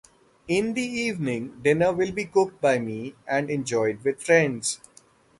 In the evening, dinner will be cooked by me and enjoyed with friends.